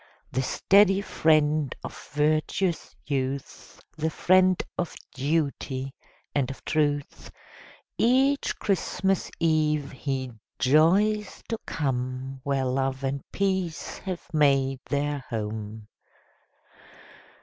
The steady friend of virtuous youth, The friend of duty, and of truth, Each Christmas eve he joys to come Where love and peace have made their home.